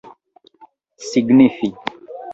signifi